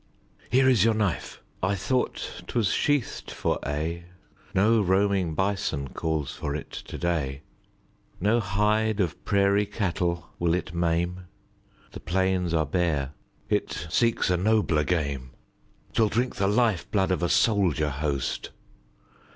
Here is your knife! I thought 'twas sheathed for aye. No roaming bison calls for it to day; No hide of prairie cattle will it maim; The plains are bare, it seeks a nobler game: 'Twill drink the life blood of a soldier host.